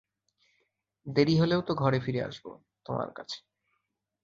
দেরি হলেও তো ঘরে ফিরে আসব, তোমার কাছে।